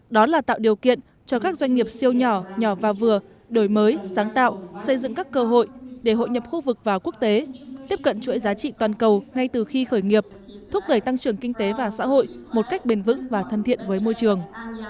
đó là tạo điều kiện cho các doanh nghiệp siêu nhỏ nhỏ và vừa đổi mới sáng tạo xây dựng các cơ hội để hội nhập khu vực và quốc tế tiếp cận chuỗi giá trị toàn cầu ngay từ khi khởi nghiệp thúc đẩy tăng trưởng kinh tế và xã hội một cách bền vững và thân thiện với môi trường